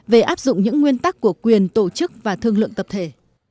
về áp dụng những nguyên tắc của quyền tổ chức và thương lượng tập thể